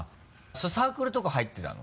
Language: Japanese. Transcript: サークルとか入ってたの？